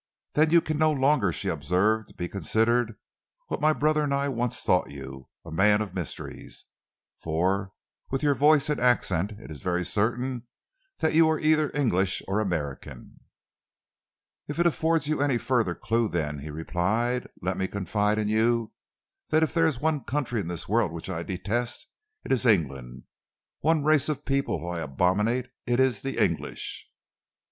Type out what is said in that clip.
"Then you can no longer," she observed, "be considered what my brother and I once thought you a man of mysteries for with your voice and accent it is very certain that you are either English or American." "If it affords you any further clue, then," he replied, "let me confide in you that if there is one country in this world which I detest, it is England; one race of people whom I abominate, it is the English."